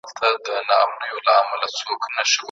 د بهرنیو اړیکو مدیریت کي مسلکي ظرفیتونه کافي نه دي.